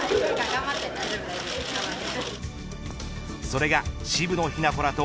それが渋野日向子らと